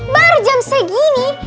baru jam segini